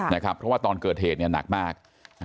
เพราะว่าตอนเกิดเหตุหนักมาก